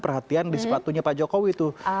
perhatian di sepatunya pak jokowi tuh